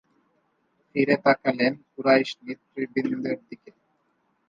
ফিরে তাকালেন কুরাইশ নেতৃবৃন্দের দিকে।